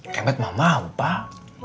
kemet mau mau pak